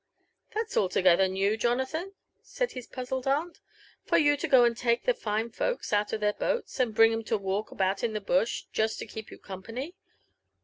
" Thai's altogether new, Jonathan," said his puzzled aunt, "for you to go and take the fine folks out of the boats, and bring 'em to walk about in the bush, just to keep you company.